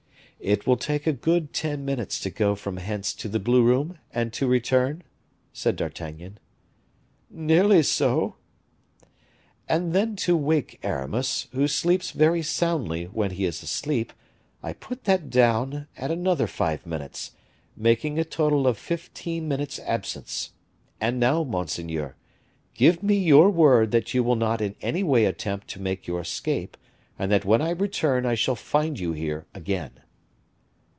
"It will take a good ten minutes to go from hence to the blue room, and to return?" said D'Artagnan. "Nearly so." "And then to wake Aramis, who sleeps very soundly, when he is asleep, I put that down at another five minutes; making a total of fifteen minutes' absence. And now, monseigneur, give me your word that you will not in any way attempt to make your escape, and that when I return I shall find you here again."